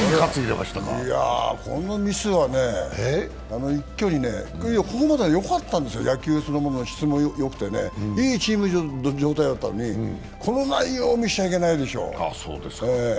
このミスは一挙に、ここまではよかったんですよ、野球そのものの質もよくていいチームの状態だったのにこの内容を見せちゃいけないでしょ。